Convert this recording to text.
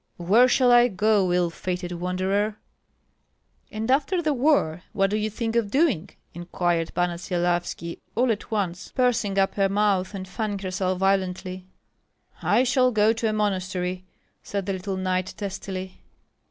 Where shall I go, ill fated wanderer?" "And after the war, what do you think of doing?" inquired Panna Syelavski, all at once pursing up her mouth and fanning herself violently. "I shall go to a monastery!" said the little knight, testily.